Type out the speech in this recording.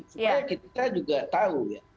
supaya kita juga tahu ya